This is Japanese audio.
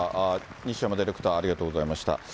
西山ディレクター、ありがとうございました。